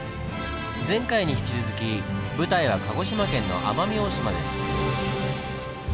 前回に引き続き舞台は鹿児島県の奄美大島です。